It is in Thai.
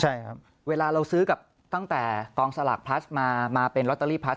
ใช่ครับเวลาเราซื้อกับตั้งแต่กองสลากพลัสมาเป็นลอตเตอรี่พลัส